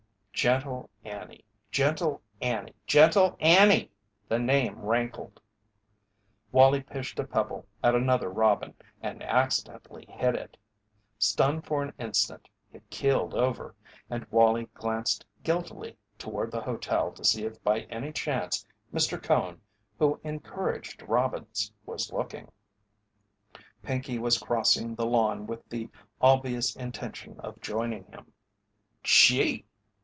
"Gentle Annie! Gentle Annie! Gentle Annie!" The name rankled. Wallie pitched a pebble at another robin and accidentally hit it. Stunned for an instant, it keeled over, and Wallie glanced guiltily toward the hotel to see if by any chance Mr. Cone, who encouraged robins, was looking. Pinkey was crossing the lawn with the obvious intention of joining him. "Gee!"